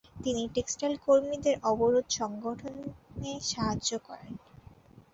তিনি টেক্সটাইল কর্মীদের অবরোধ সংগঠনে সাহায্য করেন।